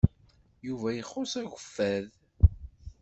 Yuba ixuṣṣ agguffed.